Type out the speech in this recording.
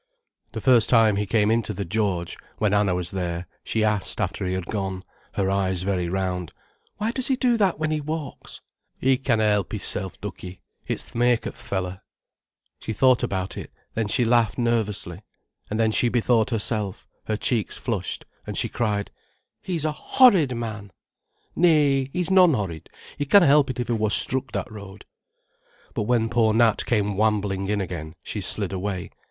The first time he came into the "George" when Anna was there, she asked, after he had gone, her eyes very round: "Why does he do that when he walks?" "'E canna 'elp 'isself, Duckie, it's th' make o' th' fellow." She thought about it, then she laughed nervously. And then she bethought herself, her cheeks flushed, and she cried: "He's a horrid man." "Nay, he's non horrid; he canna help it if he wor struck that road." But when poor Nat came wambling in again, she slid away.